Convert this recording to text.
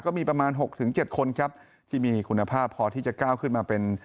ก็มีประมาณ๖๗คนครับที่มีคุณภาพพอที่จะก้าวขึ้นมาเป็น